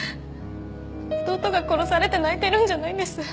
弟が殺されて泣いてるんじゃないんです。